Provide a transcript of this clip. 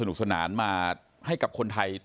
นุกสนานมาให้กับคนไทย